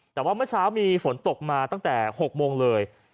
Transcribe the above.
แต่ว่าเมื่อเช้ามีฝนตกมาตั้งแต่๖โมงเลย